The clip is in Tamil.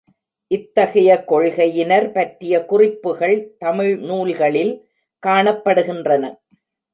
இத்தகைய கொள்கையினர் பற்றிய குறிப்புகள் தமிழ் நூல்களில் காணப்படுகின்றன.